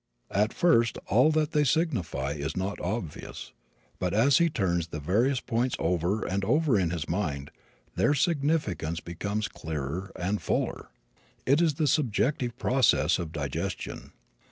At first all that they signify is not obvious, but as he turns the various points over and over in his mind their significance becomes clearer and fuller. It is the subjective process of digestion.